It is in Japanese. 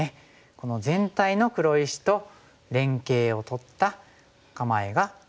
この全体の黒石と連携をとった構えが完成します。